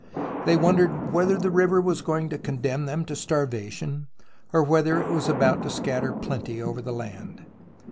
They wondered whether the river was going to condemn them to starvation, or whether it was about to scatter plenty over the land.